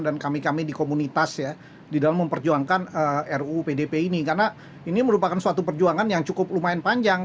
dan kami kami di komunitas ya di dalam memperjuangkan ru pdp ini karena ini merupakan suatu perjuangan yang cukup lumayan panjang